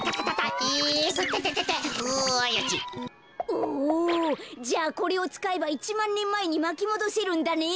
おじゃあこれをつかえば１まんねんまえにまきもどせるんだね。